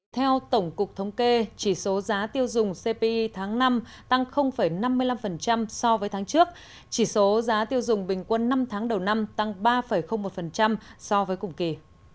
theo tổng cục thống kê chỉ số giá tiêu dùng cpi tháng năm tăng năm mươi năm so với tháng trước chỉ số giá tiêu dùng bình quân năm tháng đầu năm tăng ba một so với cùng kỳ